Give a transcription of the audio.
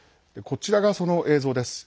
こちらが、その映像です。